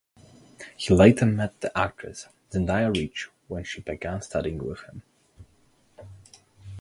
He later met the actress Zinaida Reich when she began studying with him.